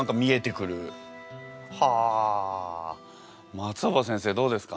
松尾葉先生どうですか？